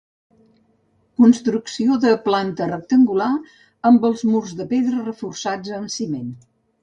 Construcció de planta rectangular, amb els murs de pedra reforçats amb ciment.